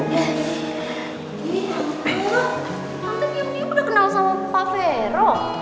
ini udah kenal sama pak vero